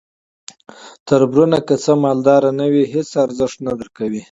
توربرونو کې چې مالداره نه وې هیس ارزښت نه درکوي.